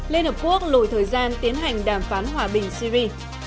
lên hợp quốc lội thời gian tiến hành đàm phán hòa bình syri